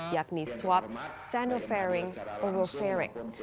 yakni swab sanofaring oropharing